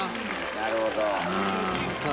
なるほど。